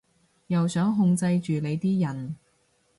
又想控制住你啲人